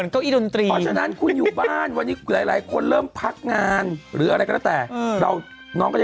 น้ำหนังสวยอยู่เนอะโอ้โฮ